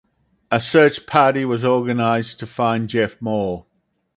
A search party was organized to find Jeff Moore.